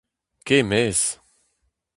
Kae 'maez !